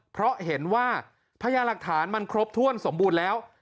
เพราะเห็นว่าพญาหลักฐานมันครบถ้วนสมบูรณ์แล้ว